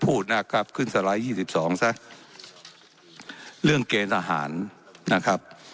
พูดนะครับขึ้นสไลด์ยี่สิบสองซะเรื่องเกณฑ์ทหารนะครับ